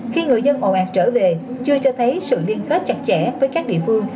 khi người dân ồ ạt trở về chưa cho thấy sự liên kết chặt chẽ với các địa phương